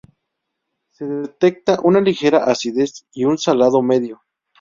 Se detecta una ligera acidez y un salado medio.